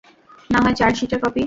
নাহয় চার্জশিটের কপি।